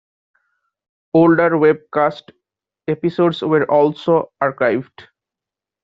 Older webcast episodes were also archived.